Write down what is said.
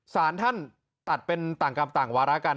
สารท่านตัดเป็นต่างกรรมต่างวาระกัน